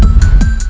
gak ada yang nungguin